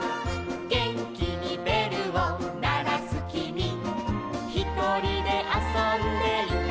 「げんきにべるをならすきみ」「ひとりであそんでいたぼくは」